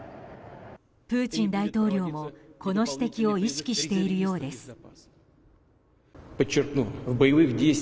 プーチン大統領も、この指摘を意識しているようです。